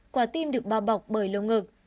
quả tim được bao bọc bởi lông ngực